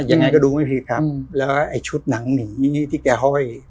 ยังไงก็ดูไม่ผิดครับแล้วไอ้ชุดหนังหนีที่แกห้อย